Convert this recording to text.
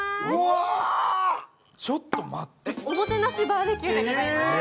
おもてなしバーベキューでございます。